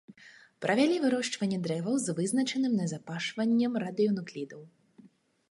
Правялі вырошчванне дрэваў з вызначаным назапашваннем радыенуклідаў.